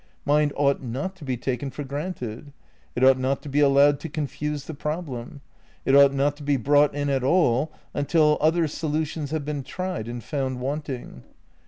Mind ought not to be taken for granted ; it ought not to be allowed to confuse the problem; it ought not to be brought in at all until other solutions have been tried and found wanting.